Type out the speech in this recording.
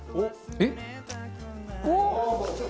えっ？